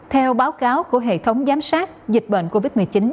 theo báo cáo của hệ thống giám sát dịch bệnh covid một mươi chín